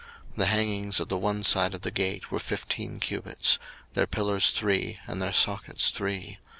02:038:014 The hangings of the one side of the gate were fifteen cubits; their pillars three, and their sockets three.